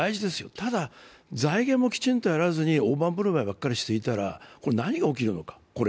ただ、財源もきちんとやらずに大盤振る舞いばかりしていたら、これから何が起こるのか。